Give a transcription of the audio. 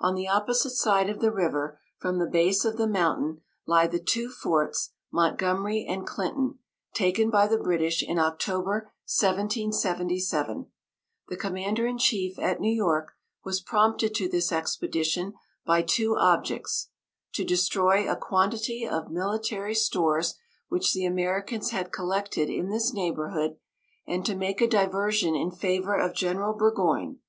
On the opposite side of the river from the base of the mountain, lie the two forts Montgomery and Clinton, taken by the British in October, 1777. The commander in chief at New York was prompted to this expedition by two objects: to destroy a quantity of military stores which the Americans had collected in this neighbourhood, and to make a diversion in favour of General Burgoyne.